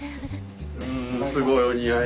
うんすごいお似合い。